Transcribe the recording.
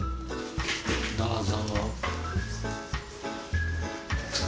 どうぞ。